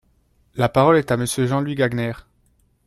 La parole est à Monsieur Jean-Louis Gagnaire.